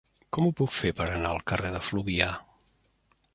Com ho puc fer per anar al carrer de Fluvià?